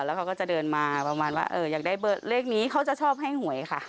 แล้วเขาก็จะเดินมาประมาณว่าอยากได้เลขนี้เขาจะชอบให้หวยค่ะ